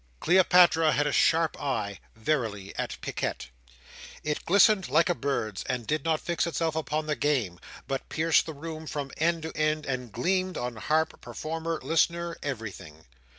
Cleopatra had a sharp eye, verily, at picquet. It glistened like a bird's, and did not fix itself upon the game, but pierced the room from end to end, and gleamed on harp, performer, listener, everything.